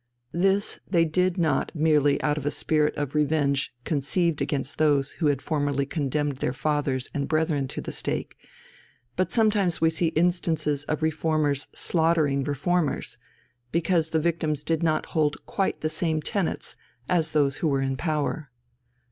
This they did not merely out of a spirit of revenge conceived against those who had formerly condemned their fathers and brethren to the stake, but sometimes we see instances of Reformers slaughtering Reformers, because the victims did not hold quite the same tenets as those who were in power.